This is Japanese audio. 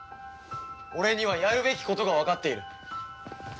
俺にはやるべきことがわかっている。